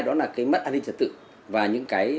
đó là mất an ninh trật tự